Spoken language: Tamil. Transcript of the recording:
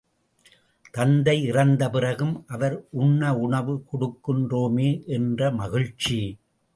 தந்தை இறந்த பிறகும், அவர் உண்ண உணவு கொடுக்கின்றோமே என்ற மகிழ்ச்சி!